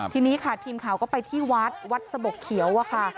ทีนี้ค่ะทีมข่าวก็ไปที่วัดวัดสะบกเขียวอะค่ะ